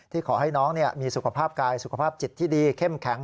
ขอให้น้องมีสุขภาพกายสุขภาพจิตที่ดีเข้มแข็ง